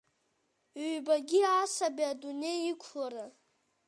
Ҩбагьы, асаби адунеи иқәлара.